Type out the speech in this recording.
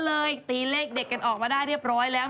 เลยตีเลขเด็กกันออกมาได้เรียบร้อยแล้ว